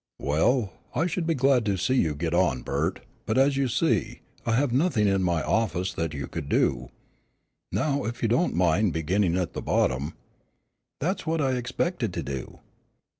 "Well, I should be glad to see you get on, Bert, but as you see, I have nothing in my office that you could do. Now, if you don't mind beginning at the bottom " "That's just what I expected to do."